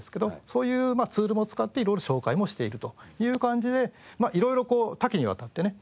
そういうツールも使って色々紹介もしているという感じで色々こう多岐にわたってね